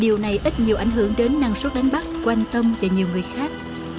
điều này ít nhiều ảnh hưởng đến năng suất đánh bắt của anh tâm và nhiều người khác